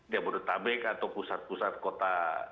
jabodetabek atau pusat pusat kota